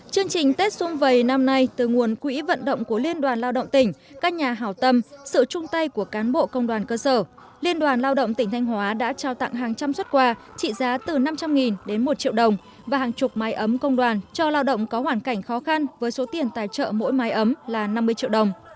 chương trình tết xung vầy năm nay từ nguồn quỹ vận động của liên đoàn lao động tỉnh các nhà hào tâm sự chung tay của cán bộ công đoàn cơ sở liên đoàn lao động tỉnh thanh hóa đã trao tặng hàng trăm xuất quà trị giá từ năm trăm linh đến một triệu đồng và hàng chục mái ấm công đoàn cho lao động có hoàn cảnh khó khăn với số tiền tài trợ mỗi mái ấm là năm mươi triệu đồng